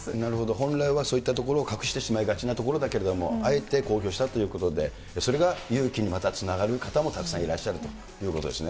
本来はそういったところを隠してしまいがちなところだけれども、あえて公表したということで、それが勇気にまたつながる方もたくさんいらっしゃるということですね。